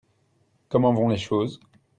Comment vont les choses ?